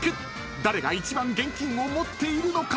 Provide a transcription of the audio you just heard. ［誰が一番現金を持っているのか］